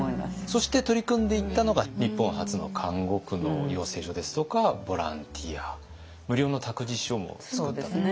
そして取り組んでいったのが日本初の看護婦の養成所ですとかボランティア無料の託児所も作ったということですけどね。